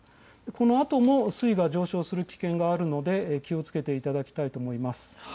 このあとも水位が上昇する危険があるので気をつけていただきたいと思います。